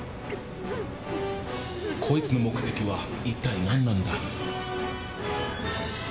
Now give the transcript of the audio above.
こいつの目的は一体何なんだ？